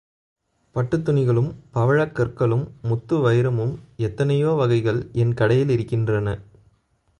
பட்டுத் துணிகளும் பவழக் கற்களும் முத்து வைரமும் எத்தனையோ வகைகள் என் கடையில் இருக்கின்றன.